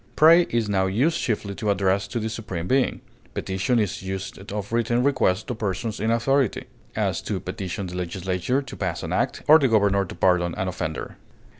Pray is now used chiefly of address to the Supreme Being; petition is used of written request to persons in authority; as, to petition the legislature to pass an act, or the governor to pardon an offender.